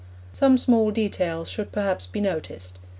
Some small details should perhaps be noticed.